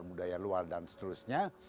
budaya luar dan seterusnya